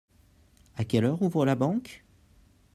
À quelle heure ouvre la banque ?